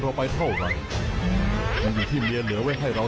โอ้โฮไปดูแน่ทั้งสองท่าน